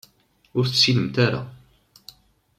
Ur tessinemt ara.